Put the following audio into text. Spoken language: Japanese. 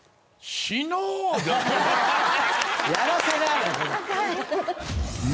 やらせないの。